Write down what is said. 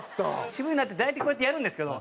「渋いな」って大体こうやってやるんですけど。